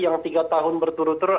yang tiga tahun berturut turut